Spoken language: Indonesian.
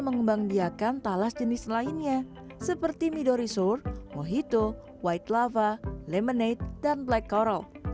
mengembangbiakan talas jenis lainnya seperti midori sour mojito white lava lemonade dan black coral